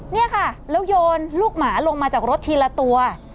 นี่ค่ะแล้วโยนลูกหมาลงมาจากรถทีละตัว